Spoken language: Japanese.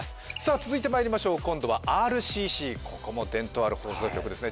続いてまいりましょう今度はＲＣＣここも伝統ある放送局ですね